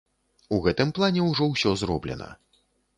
У гэтым плане ўжо ўсё зроблена.